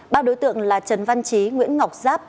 ba đối tượng là trần văn trí nguyễn ngọc giáp